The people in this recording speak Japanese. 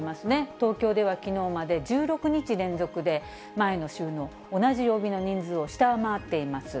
東京ではきのうまで１６日連続で、前の週の同じ曜日の人数を下回っています。